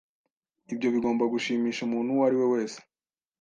Ibyo bigomba gushimisha umuntu uwo ari we wese.